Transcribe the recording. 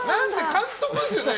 監督ですよね？